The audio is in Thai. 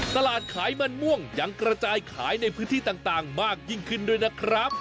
ตลาดขายมันม่วงยังกระจายขายในพื้นที่ต่างมากยิ่งขึ้นด้วยนะครับ